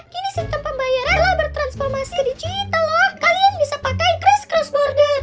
kini sistem pembayaran telah bertransformasi ke digital kalian bisa pakai chris cross border